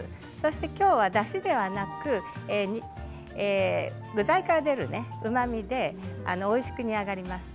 今日は、だしではなく具材から出るうまみでおいしく煮上がります。